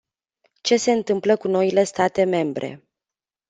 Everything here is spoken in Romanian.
Ce se întâmplă cu noile state membre?